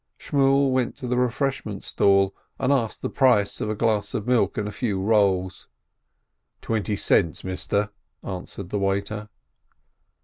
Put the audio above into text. Shmuel went to the refreshment stall, and asked the price of a glass of milk and a few rolls. "Twenty cents, mister," answered the waiter.